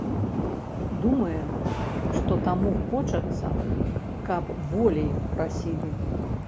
Думае, што таму хочацца, каб болей прасілі.